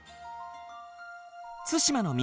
対馬の港